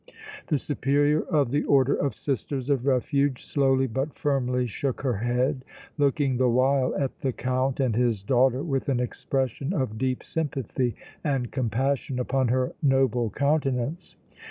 The Superior of the Order of Sisters of Refuge slowly but firmly shook her head, looking the while at the Count and his daughter with an expression of deep sympathy and compassion upon her noble countenance.